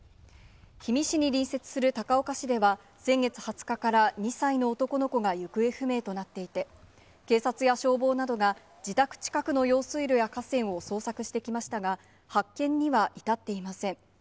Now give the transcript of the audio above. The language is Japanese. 氷見市に隣接する高岡市では、先月２０日から２歳の男の子が行方不明となっていて、警察や消防などが、自宅近くの用水路や河川を捜索してきましたが、発見には至っていません。